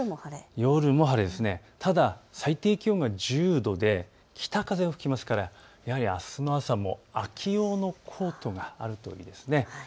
ただ最低気温が１０度で北風が吹きますからややあすの朝も秋用のコートがあるといいですね。